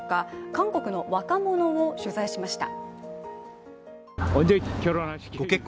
韓国の若者を取材しました。